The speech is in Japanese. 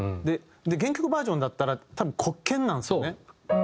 原曲バージョンだったら多分黒鍵なんですよね。